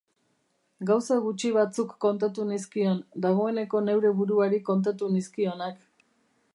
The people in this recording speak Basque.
Gauza gutxi batzuk kontatu nizkion, dagoeneko neure buruari kontatu nizkionak.